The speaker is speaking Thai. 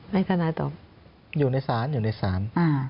ไม่คณะต้มอยู่ในศาล